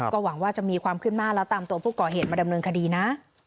ก็หวังว่าจะมีความขึ้นหน้าแล้วตามตัวผู้ก่อเหตุมาดำเนินคดีนะ